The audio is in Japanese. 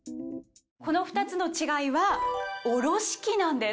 この２つの違いはおろし器なんです。